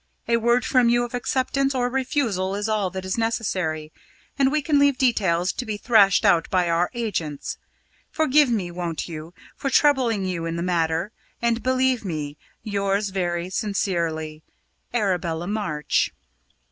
A word from you of acceptance or refusal is all that is necessary, and we can leave details to be thrashed out by our agents. Forgive me, won't you, for troubling you in the matter, and believe me, yours very sincerely. "ARABELLA MARCH."